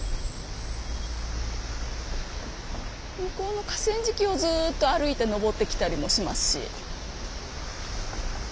向こうの河川敷をずっと歩いて上ってきたりもしますし。